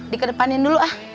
dikedepanin dulu ah